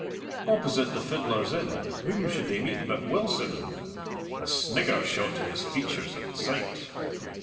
Opposite the Fiddler's Inn whom should they meet but Wilson! A snigger shot to his features at the sight.